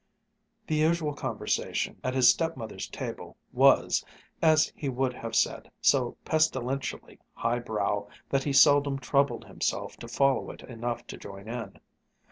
The usual conversation at his stepmother's table was, as he would have said, so pestilentially high brow that he seldom troubled himself to follow it enough to join in.